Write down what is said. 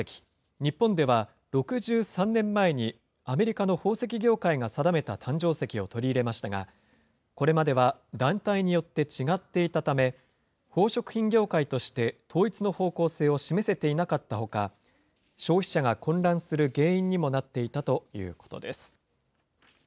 日本では６３年前に、アメリカの宝石業界が定めた誕生石を取り入れましたが、これまでは団体によって違っていたため、宝飾品業界として統一の方向性を示せていなかったほか、消費者が混乱する原因にもなっていたということです。